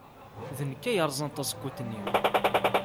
D nekk ay yerẓan tazewwut-nni.